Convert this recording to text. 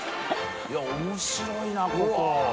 い面白いな！